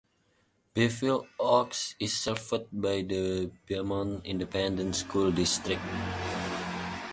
Bevil Oaks is served by the Beaumont Independent School District.